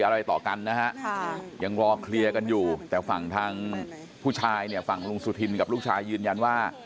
อะไรต่อกันนะฮะยังรอเคลียร์กันอยู่แต่ฝั่งทางผู้ชายเนี่ยฝั่งลุงสุธินกับลูกชายยืนยันว่า